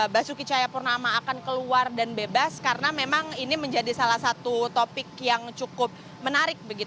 basuki cahayapurnama akan keluar dan bebas karena memang ini menjadi salah satu topik yang cukup menarik